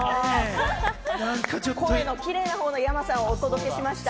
声のキレイなほうのｙａｍａさんをお届けしました。